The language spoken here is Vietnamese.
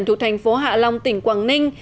thuộc thành phố hạ long tỉnh quảng ninh